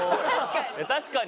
確かに！